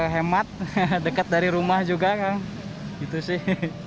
hemat dekat dari rumah juga kan gitu sih